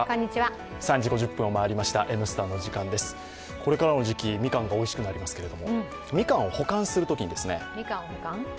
これからの時期、みかんがおいしくなりますけれども、みかんを保管するときにみかんをほかん？